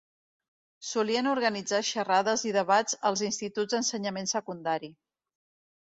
Solien organitzar xerrades i debats als instituts d'ensenyament secundari.